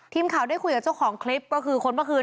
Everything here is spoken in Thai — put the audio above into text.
ทีมข่าวได้คุยกับเจ้าของคลิปก็คือคนเมื่อคืน